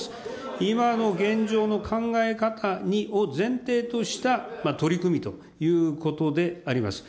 今の現状の考え方を前提とした取り組みということであります。